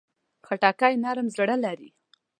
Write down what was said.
خټکی نرم زړه لري.